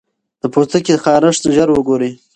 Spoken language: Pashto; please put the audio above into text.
د پوستکي خارښت ژر وګورئ.